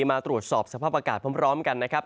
มาตรวจสอบสภาพอากาศพร้อมกันนะครับ